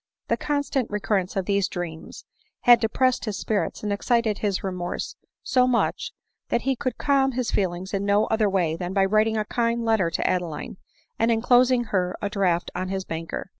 269 The constant recurrence of these dreams had de pressed his spirits and excited his remorse so much, that he could calm his feelings in no other way than by wri ting a kind letter to Adeline, and enclosing her a draft on his banker.